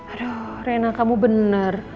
aduh rena kamu bener